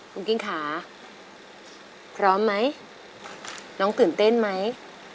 คุณกิ้งค่ะพร้อมไหมน้องตื่นเต้นไหม